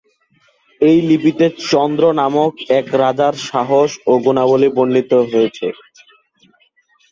এই লিপিতে চন্দ্র নামক এক রাজার সাহস ও গুণাবলী বর্নিত রয়েছে।